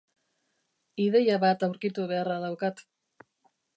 Ideia bat aurkitu beharra daukat.